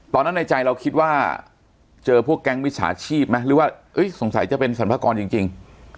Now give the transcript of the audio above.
ตอนนั้นในใจเราคิดว่าเจอพวกแก๊งวิสาชีพมั้ยหรือว่าอุ๊ยสงสัยจะเป็นสรรพากรจริงจริง